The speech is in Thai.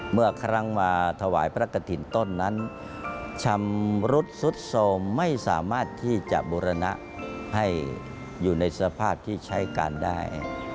เมื่อครั้งมาถวายพระกฐินต้นนั้นชำรุดสุดโทรมไม่สามารถที่จะบุรณะให้อยู่ในสภาพที่ใช้การได้